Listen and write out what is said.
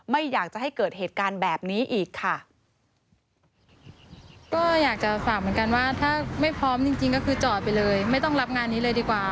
ไม่อยากจะให้เกิดเหตุการณ์แบบนี้อีกค่ะ